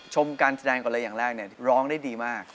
ชมการแสดงก่อนเลยอย่างแรกเนี่ยร้องได้ดีมาก